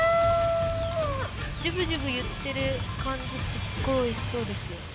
ジュブジュブいってる感じすごいおいしそうですよ。